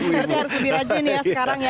berarti harus lebih rajin ya sekarang ya